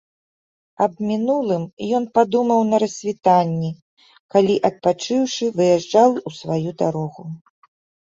Аб мінулым ён падумаў на рассвітанні, калі, адпачыўшы, выязджаў у сваю дарогу.